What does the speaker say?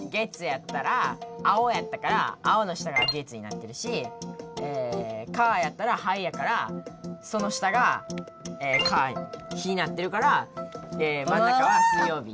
やったら青やったから青の下が「月」になってるし「火」やったら灰やからその下が「火」になってるからまん中は水曜日。